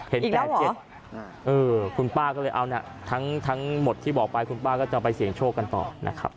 ๘๗คุณป้าก็เลยเอานะทั้งหมดที่บอกไปคุณป้าก็จะไปเสี่ยงโชคกันต่อนะครับ